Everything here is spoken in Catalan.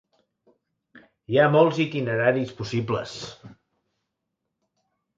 Hi ha molts itineraris possibles.